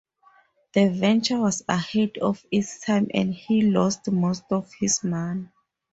The venture was ahead of its time and he lost most of his money.